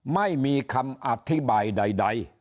ไม่มีคำอธิบายใด